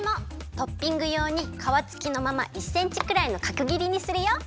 トッピングようにかわつきのまま１センチくらいのかくぎりにするよ。